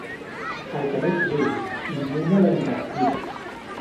El Canut riu, immune a la invectiva.